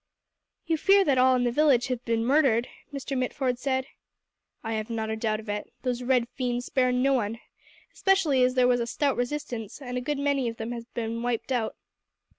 "You fear that all in the village have been murdered?" Mr. Mitford said. "I have not a doubt of it. Those red fiends spare no one, especially as there was a stout resistance, and a good many of them have been wiped out."